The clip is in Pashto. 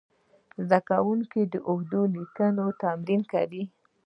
زده کوونکي د اوږدو لیکنو تمرین کاوه.